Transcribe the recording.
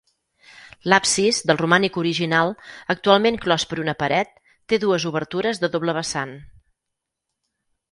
L'absis, del romànic original, actualment clos per una paret, té dues obertures de doble vessant.